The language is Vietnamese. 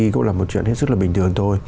cũng là một chuyện hết sức là bình thường thôi